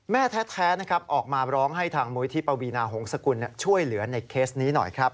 แม่แท้ออกมาร้องให้ทางมวิธีปวีณาหงษกุลช่วยเหลือนในเคสนี้หน่อย